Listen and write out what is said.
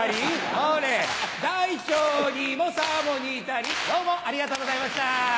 ほれ大腸にもさも似たりどうもありがとうございました。